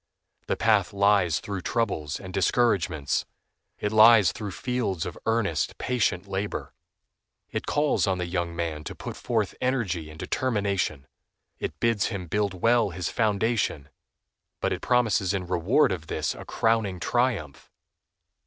The path lies through troubles and discouragements. It lies through fields of earnest, patient labor. It calls on the young man to put forth energy and determination. It bids him build well his foundation, but it promises in reward of this a crowning triumph.